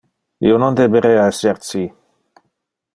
Io non deberea esser ci.